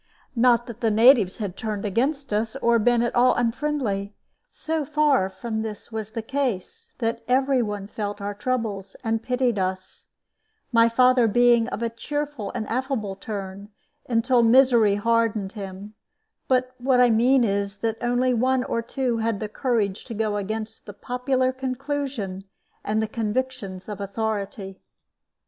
Not that the natives had turned against us, or been at all unfriendly; so far from this was the case, that every one felt for our troubles, and pitied us, my father being of a cheerful and affable turn, until misery hardened him; but what I mean is that only one or two had the courage to go against the popular conclusion and the convictions of authority.